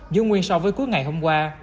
dư nguyên so với cuối ngày hôm qua